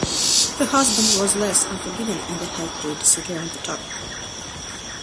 Her husband was less unforgiving and they had to disagree on the topic.